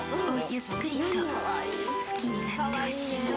ゆっくりと好きになってほしい。